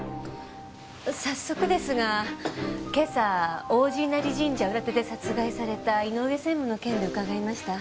早速ですが今朝王子稲荷神社裏手で殺害された井上専務の件で伺いました。